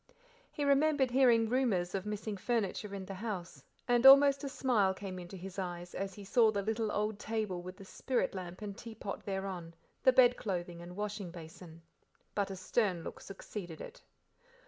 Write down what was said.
He remembered hearing rumours of missing furniture in the house, and almost a smile came into his eyes as he saw the little old table with the spirit lamp and teapot thereon, the bed clothing and washing basin. But a stern look succeeded it.